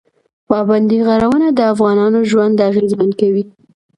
پابندی غرونه د افغانانو ژوند اغېزمن کوي.